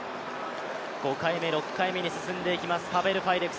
５回目、６回目に進んでいきます、パベル・ファイデク。